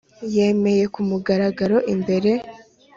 yemeye ku mugaragaro imbere